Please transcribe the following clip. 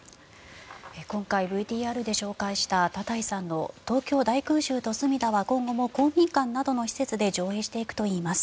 今回ＶＴＲで紹介した多田井さんの「東京大空襲とすみだ」は今後も公民館などの施設で上映していくといいます。